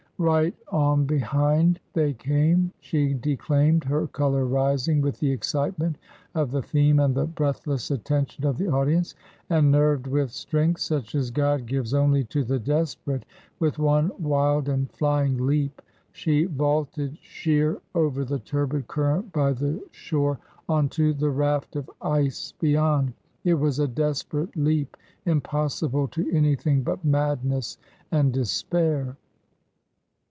Right on behind they came," she declaimed, her color rising with the excitement of the theme and the breathless attention of the audience; "and nerved with strength such as God gives only to the desperate, with one wild and flying leap she vaulted sheer over the turbid current by the shore, on to the raft of ice beyond. It was a desperate leap,— impossible to anything but madness and despair.